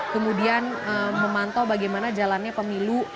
kemudian memantau bagaimana jalannya pemilu